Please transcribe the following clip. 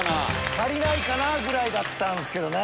足りないかなぁぐらいだったんすけどね。